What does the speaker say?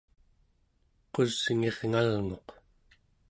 qusngirngalnguq